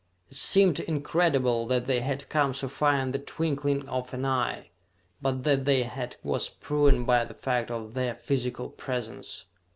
It seemed incredible that they had come so far in the twinkling of an eye; but that they had was proved by the fact of their physical presence.